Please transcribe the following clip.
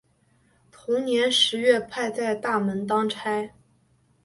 同年十月派在大门当差。